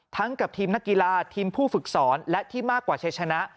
กับทีมนักกีฬาทีมผู้ฝึกสอนและที่มากกว่าชัยชนะ